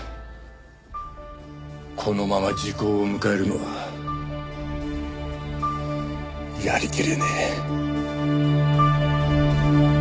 このまま時効を迎えるのはやりきれねえ。